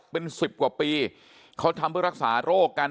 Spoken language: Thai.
เป็นสิบกว่าปีเขาทำเพื่อรักษาโรคกัน